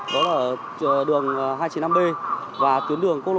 đó là đường hai trăm chín mươi năm b và tuyến đường công lộ một a